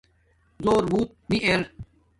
زݸر بݸت نی ار